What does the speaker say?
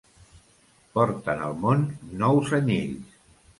Porten al món nous anyells.